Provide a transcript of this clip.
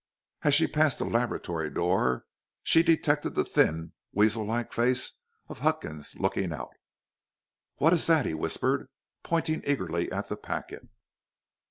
As she passed the laboratory door she detected the thin weasel like face of Huckins looking out. "What is that?" he whispered, pointing eagerly at the packet.